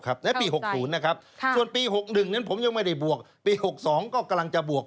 ครับผมใจนะครับส่วนปี๖๑ผมยังไม่ได้บวกปี๖๒ก็กำลังจะบวก